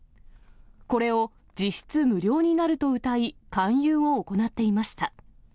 これを実質無料になるとうたい、勧誘を行っていました。